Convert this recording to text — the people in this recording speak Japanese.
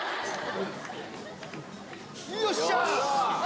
よっしゃ！